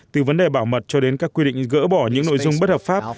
từ vấn đề bảo mật cho đến các quy định gỡ bỏ những nội dung bất hợp pháp